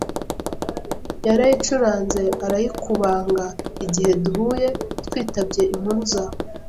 Yarayicuranze arayikubanga Igihe duhuye twitabye Impuruza